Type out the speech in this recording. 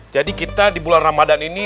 jadi kita di bulan ramadan ini